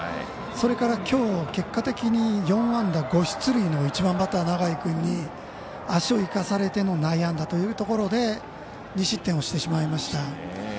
それから、きょう結果的に４安打５出塁の１番バッター永井君に足を生かされての内野安打というところで２失点をしてしまいました。